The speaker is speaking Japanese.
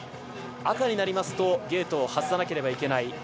赤になりますとゲートを外さなければいけない